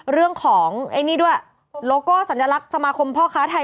เรื่องของไอ้นี่ด้วยโลโก้สัญลักษณ์สมาคมพ่อค้าไทย